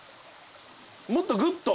もっとグッと。